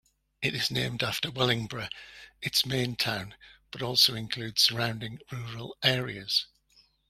It is named after Wellingborough, its main town, but also includes surrounding rural areas.